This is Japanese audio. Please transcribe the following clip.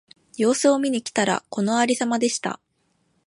様子を見に来たら、このありさまでした。